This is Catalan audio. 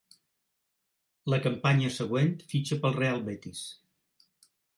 La campanya següent fitxa pel Real Betis.